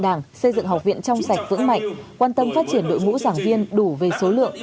đảng xây dựng học viện trong sạch vững mạnh quan tâm phát triển đội ngũ giảng viên đủ về số lượng